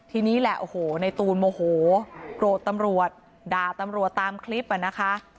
ทีนี้แหละโอ้โหในตูนโมโหโกรธตำรวจด่าตำรวจตามคลิปอ่ะนะคะ